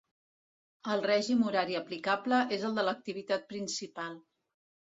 El règim horari aplicable és el de l'activitat principal.